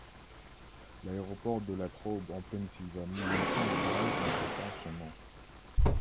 L'aéroport de Latrobe en Pennsylvanie lui rend hommage en portant son nom.